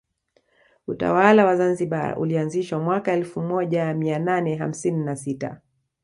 Utawala wa Zanzibar ulianzishwa mwaka wa elfu moja mia nane hamsini na sita